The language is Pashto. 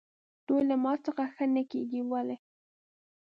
دوی له ما څخه ښه نه کېږي، ولې؟